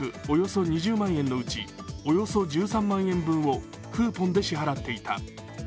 およそ２０万円のうち、およそ１３万円分をクーポンで支払っていた。